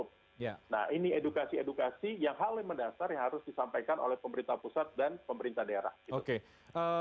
nah ini edukasi yang harus disampaikan oleh pemerintah pusat dan pemerintah daerah